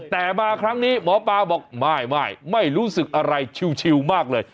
แต่มาครั้งนี้หมอปลาบอกไม่ไม่รู้สึกอะไรชิวมากเลย